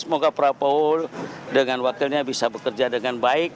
semoga prabowo dengan wakilnya bisa bekerja dengan baik